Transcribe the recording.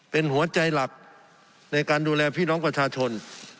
เป็นหัวใจหลักในการดูแลพี่น้องประชาชน